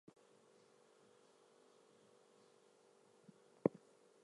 Gilvezan was born in Saint Louis, Missouri.